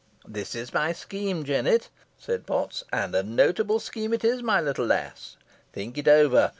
"This is my scheme, Jennet," said Potts, "and a notable scheme it is, my little lass. Think it over.